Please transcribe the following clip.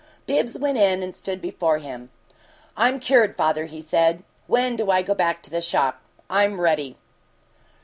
Bibbs went in and stood before him. "I'm cured, father," he said. "When do I go back to the shop? I'm ready."